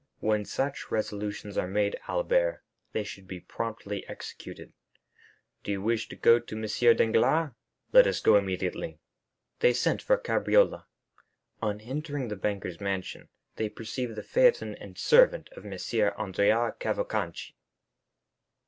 "When such resolutions are made, Albert, they should be promptly executed. Do you wish to go to M. Danglars? Let us go immediately." They sent for a cabriolet. On entering the banker's mansion, they perceived the phaeton and servant of M. Andrea Cavalcanti.